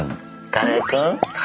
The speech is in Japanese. カレーくん。